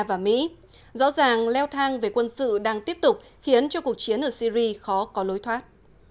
và mỹ rõ ràng leo thang về quân sự đang tiếp tục khiến cho cuộc chiến ở syri khó có lối thoát